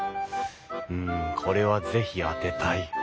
うんこれは是非当てたい。